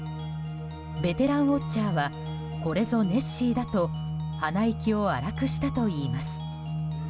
ベテランウォッチャーはこれぞネッシーだと鼻息を荒くしたといいます。